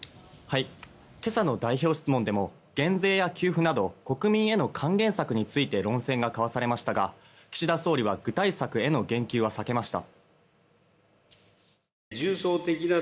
今朝の代表質問でも減税や給付など国民への還元策について論戦が交わされましたが岸田総理は具体策への言及は避けました。